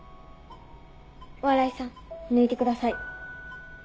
お笑いさん抜いてください。